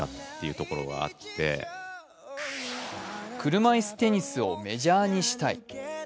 車いすテニスをメジャーにしたい。